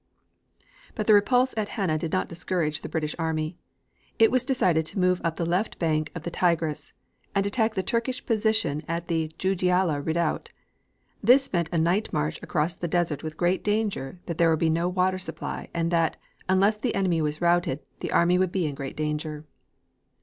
But the repulse at Hanna did not discourage the British army. It was decided to move up the left bank of the Tigris and attack the Turkish position at the Dujailah redoubt. This meant a night march across the desert with great danger that there would be no water supply and that, unless the enemy was routed, the army would be in great danger.